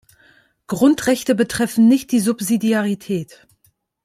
Grundrechte betreffen nicht die Subsidiarität.